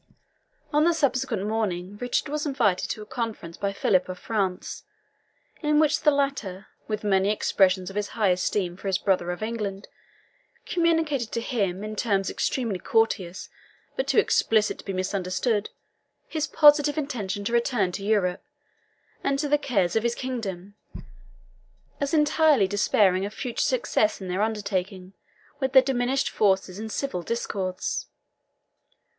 On the subsequent morning Richard was invited to a conference by Philip of France, in which the latter, with many expressions of his high esteem for his brother of England, communicated to him in terms extremely courteous, but too explicit to be misunderstood, his positive intention to return to Europe, and to the cares of his kingdom, as entirely despairing of future success in their undertaking, with their diminished forces and civil discords.